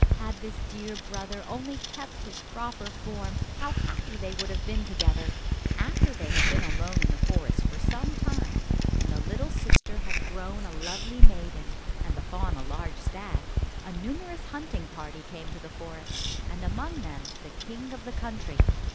Had this dear brother only kept his own proper form, how happy they would have been together! After they had been alone in the forest for some time, and the little sister had grown a lovely maiden, and the fawn a large stag, a numerous hunting party came to the forest, and amongst them the king of the country.